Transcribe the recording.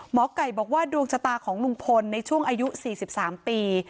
หมอไก่บอกว่าดวงชะตาของลุงพลในช่วงอายุ๔๓ปี